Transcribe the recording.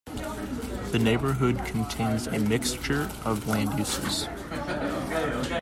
The neighbourhood contains a mixture of land-uses.